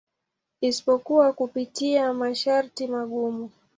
Isipokuwa kupitia masharti magumu.